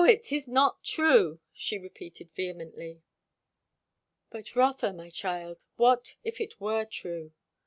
It is not true!" she repeated vehemently. "But Rotha, my child, what if it were true?"